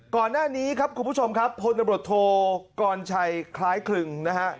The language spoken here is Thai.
ก่อนหน้านี้ครับคุณผู้ชมครับพลตำรวจโทกรชัยคล้ายคลึงนะฮะ